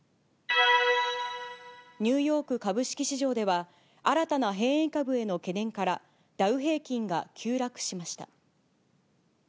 ニューヨーク株式市場では、新たな変異株への懸念から、ダウ平均が急落しました。